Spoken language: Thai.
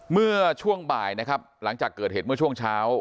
เมื่อช่วงบ่ายนะครับหลังจากเกิดเหตุเมื่อช่วงเช้า